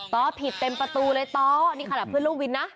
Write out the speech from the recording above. ต้อผิดเต็มประตูเลยต้อนี่ค่ะเพื่อนเล่าวินนะ